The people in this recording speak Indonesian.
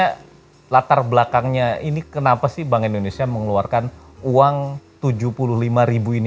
karena latar belakangnya ini kenapa sih bank indonesia mengeluarkan uang tujuh puluh lima ribu ini